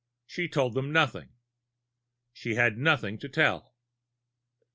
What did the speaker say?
She told them nothing. She had nothing to tell.